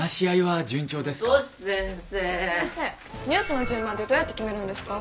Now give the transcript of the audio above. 先生ニュースの順番ってどうやって決めるんですか？